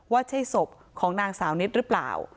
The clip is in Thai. ว่าใช่ศพของนางสาวนิดหรือเปล่า